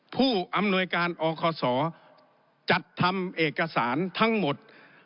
ผู้อำนวยการอคศจัดทำเอกสารทั้งหมด